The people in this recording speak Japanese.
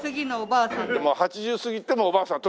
まあ８０過ぎてもおばあさん。